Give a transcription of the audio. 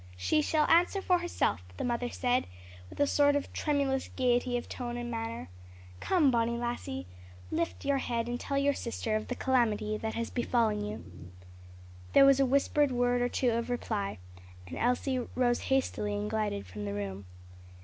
"She shall answer for herself," the mother said with a sort of tremulous gayety of tone and manner. "Come, bonny lassie, lift your head and tell your sister of the calamity that has befallen you." There was a whispered word or two of reply, and Elsie rose hastily and glided from the room.